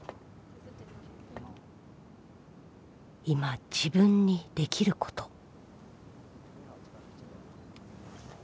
今自分にできること。